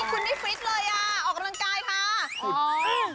คุณได้ฟิตเลยอ่ะออกกำลังกายค่ะ